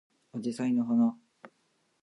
あじさいの花